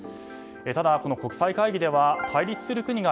ただ、国際会議では対立する国が